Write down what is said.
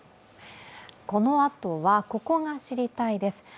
このあとは「ここが知りたい」です。